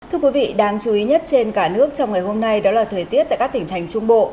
thưa quý vị đáng chú ý nhất trên cả nước trong ngày hôm nay đó là thời tiết tại các tỉnh thành trung bộ